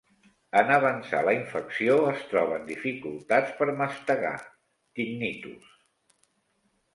En avançar la infecció es troben dificultats per mastegar, tinnitus.